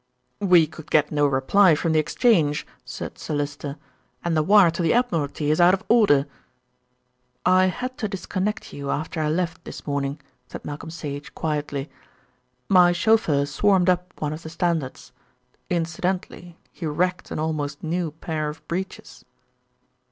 "We could get no reply from the exchange," said Sir Lyster, "and the wire to the Admiralty is out of order." "I had to disconnect you after I left this morning," said Malcolm Sage quietly. "My chauffeur swarmed up one of the standards. Incidentally he wrecked an almost new pair of breeches."